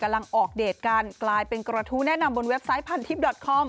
กำลังออกเดทการกลายเป็นกรฐู้แนะนำบนเว็บไซต์พันทิพย์ดอตคอม